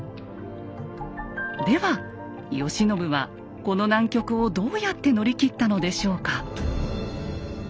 では慶喜はこの難局をどうやって乗り切ったのでしょうか。